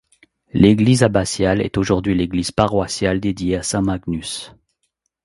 L'église abbatiale est aujourd'hui l'église paroissiale, dédiée à Saint Magnus.